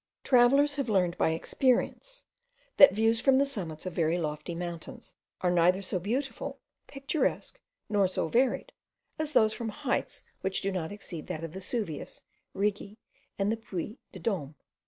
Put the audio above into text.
Travellers have learned by experience, that views from the summits of very lofty mountains are neither so beautiful, picturesque, nor so varied, as those from heights which do not exceed that of Vesuvius, Righi, and the Puy de Dome.